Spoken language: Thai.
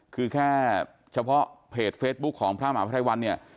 ก็แค่เพจเฟซบุ๊กของพระหมาภัยวันเนี้ย